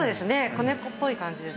子猫っぽい感じですね。